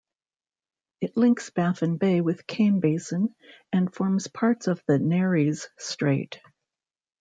It links Baffin Bay with Kane Basin and forms part of the Nares Strait.